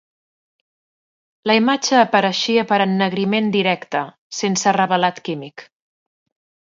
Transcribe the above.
La imatge apareixia per ennegriment directe, sense revelat químic.